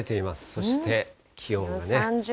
そして気温がね。